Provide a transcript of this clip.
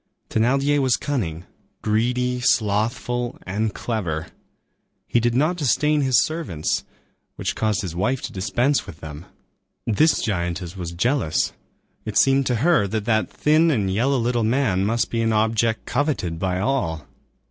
Thénardier was cunning, greedy, slothful, and clever. He did not disdain his servants, which caused his wife to dispense with them. This giantess was jealous. It seemed to her that that thin and yellow little man must be an object coveted by all.